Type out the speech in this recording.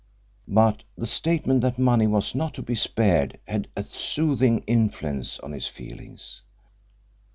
But the statement that money was not to be spared had a soothing influence on his feelings.